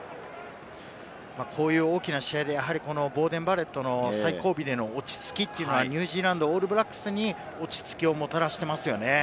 こういう大きな試合でボーデン・バレットの最後尾での落ち着きというのは、ニュージーランド、オールブラックスに落ち着きをもたらしていますよね。